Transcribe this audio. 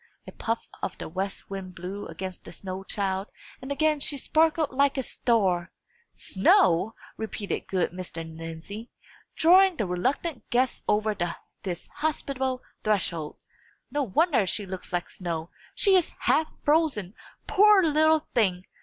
A puff of the west wind blew against the snow child, and again she sparkled like a star. "Snow!" repeated good Mr. Lindsey, drawing the reluctant guest over this hospitable threshold. "No wonder she looks like snow. She is half frozen, poor little thing!